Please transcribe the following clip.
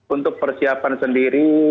untuk persiapan sendiri